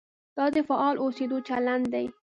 دا د فعال اوسېدو چلند دی.